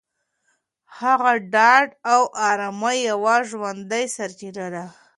هغه د ډاډ او ارامۍ یوه ژوندۍ سرچینه ده.